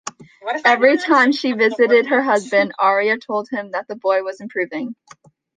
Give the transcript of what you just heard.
Every time she visited her husband, Arria told him that the boy was improving.